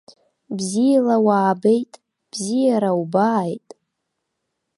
Бзиала уаабеит, бзиара убааит.